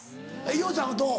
伊代ちゃんはどう？